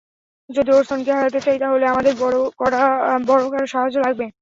যদি ওরসনকে হারাতে চাই, তাহলে আমাদের বড় কারো সাহায্য লাগবে।